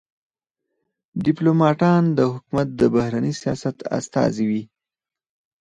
ډيپلوماټان د حکومت د بهرني سیاست استازي وي.